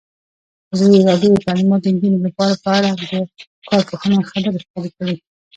ازادي راډیو د تعلیمات د نجونو لپاره په اړه د کارپوهانو خبرې خپرې کړي.